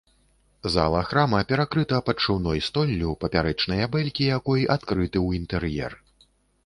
Зала храма перакрыта падшыўной столлю, папярочныя бэлькі якой адкрыты ў інтэр'ер.